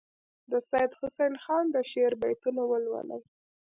د سیدحسن خان د شعر بیتونه ولولي.